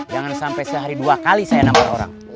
jangan sampai sehari dua kali saya nampak orang